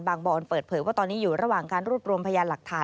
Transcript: บอนเปิดเผยว่าตอนนี้อยู่ระหว่างการรวบรวมพยานหลักฐาน